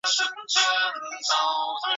丁癸草是豆科丁癸草属的植物。